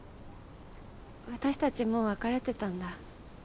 私たちもう別れてたんだ。